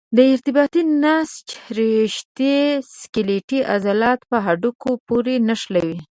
د ارتباطي نسج رشتې سکلیټي عضلات په هډوکو پورې نښلوي.